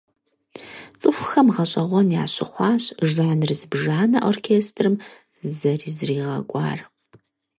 ЦӀыхухэм гъэщӀэгъуэн ящыхъуащ жанр зыбжанэ оркестрым зэрызригъэкӀуар.